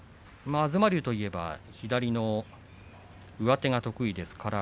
東龍といえば左の上手が得意です。